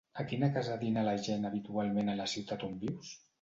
A quina casa dina la gent habitualment a la ciutat on vius?